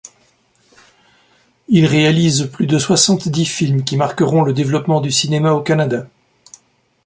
Il réalise plus de soixante-dix films qui marqueront le développement du cinéma au Canada.